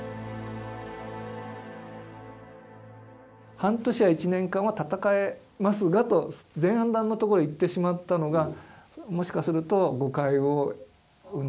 「半年や１年間は戦えますが」と前半段のところで言ってしまったのがもしかすると誤解を生んだのかもしれません。